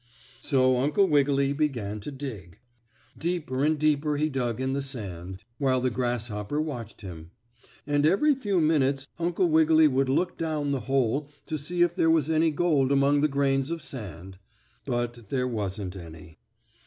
So Uncle Wiggily began to dig. Deeper and deeper he dug in the sand, while the grasshopper watched him. And every few minutes Uncle Wiggily would look down the hole to see if there was any gold among the grains of sand, but there wasn't any.